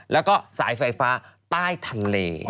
แล้วก็สายไฟฟ้าใต้ทะเล